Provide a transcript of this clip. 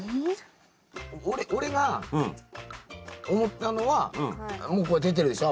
俺が思ったのはもうこれ出てるでしょ